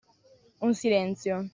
Un silenzio.